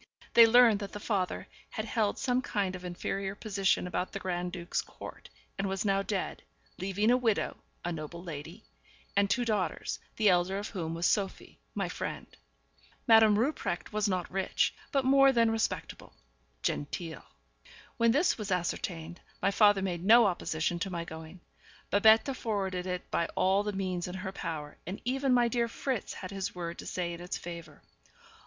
They learned that the father had held some kind of inferior position about the Grand duke's court, and was now dead, leaving a widow, a noble lady, and two daughters, the elder of whom was Sophie, my friend. Madame Rupprecht was not rich, but more than respectable genteel. When this was ascertained, my father made no opposition to my going; Babette forwarded it by all the means in her power, and even my dear Fritz had his word to say in its favour.